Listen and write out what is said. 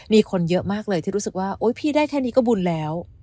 มีคนเยอะมากเลยที่รู้สึกว่าโอ๊ยพี่ได้แค่นี้ก็บุญแล้ว